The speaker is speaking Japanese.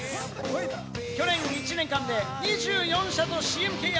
去年１年間で２４社とＣＭ契約。